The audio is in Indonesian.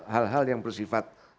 hal hal yang bersifat